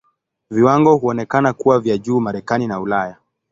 Viwango huonekana kuwa vya juu Marekani na Ulaya.